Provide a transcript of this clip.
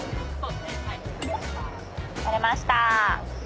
取れました。